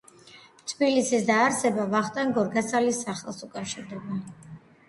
თბილისის დაარსება ვახტანგ გორგასალის სახელს უკავშირდება